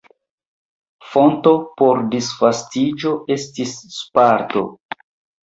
Fonto por disvastiĝo estis Sparto.